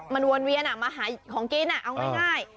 มันวนเวียนมาหาของกินเอาง่าย